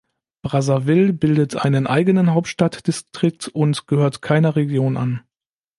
Brazzaville bildet einen eigenen Hauptstadtdistrikt und gehört keiner Region an.